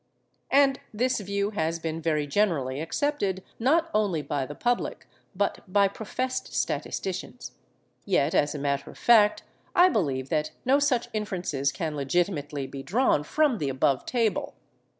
And this view has been very generally accepted, not only by the public, but by professed statisticians. Yet, as a matter of fact, I believe that no such inferences can legitimately be drawn from the above table.